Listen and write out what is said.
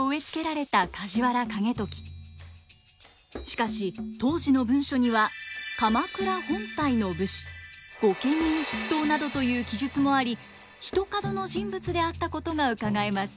しかし当時の文書には「鎌倉本体の武士」「御家人筆頭」などという記述もありひとかどの人物であったことがうかがえます。